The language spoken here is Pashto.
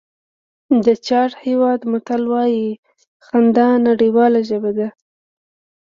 د چاډ هېواد متل وایي خندا نړیواله ژبه ده.